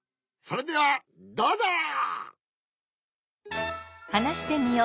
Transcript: それではどうぞ！